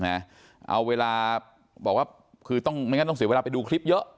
เอาเวลาบอกว่าต้องเสียเวลาไปดูคลิปเยอะ